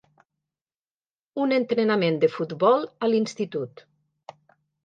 Un entrenament de futbol a l'institut.